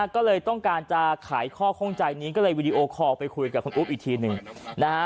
ก็เลยต้องการจะขายข้อข้องใจนี้ก็เลยวีดีโอคอลไปคุยกับคุณอุ๊บอีกทีหนึ่งนะฮะ